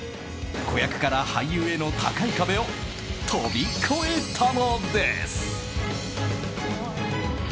子役から俳優への高い壁を飛び越えたのです。